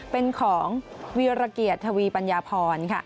เป็นของวีรเกียรติทวีปัญญาพรค่ะ